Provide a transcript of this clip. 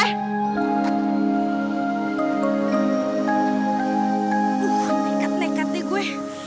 uh nekat nekat deh gue